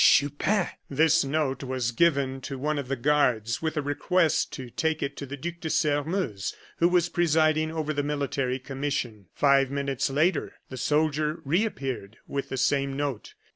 Chupin." This note was given to one of the guards, with a request to take it to the Duc de Sairmeuse, who was presiding over the military commission. Five minutes later, the soldier reappeared with the same note.